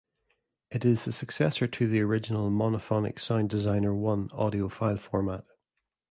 It is the successor to the original monophonic Sound Designer I audio file format.